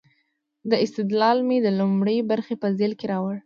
دا استدلال مې د لومړۍ برخې په ذیل کې راوړ.